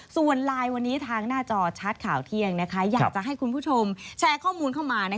ส่วนไลน์วันนี้ทางหน้าจอชัดข่าวเที่ยงอยากจะให้คุณผู้ชมแชร์ข้อมูลเข้ามา